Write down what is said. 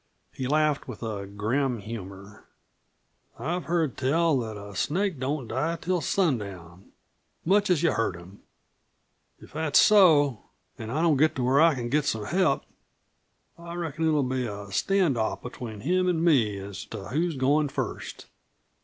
He laughed with a grim humor. "I've heard tell that a snake don't die till sundown much as you hurt him. If that's so, an' I don't get to where I c'n get some help, I reckon it'll be a stand off between him an' me as to who's goin' first."